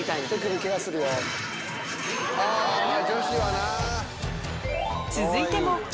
女子はな。